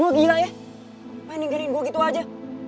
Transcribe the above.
lo dua gila ya pengen ninggalin gue gitu aja